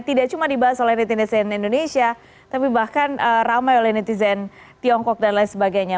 tidak cuma dibahas oleh netizen indonesia tapi bahkan ramai oleh netizen tiongkok dan lain sebagainya